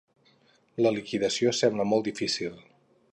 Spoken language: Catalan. La liquidació sembla molt difícil.